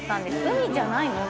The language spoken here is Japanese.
「海じゃないの？」